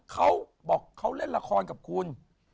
เขาบอกเขาเล่นละครกับคุณ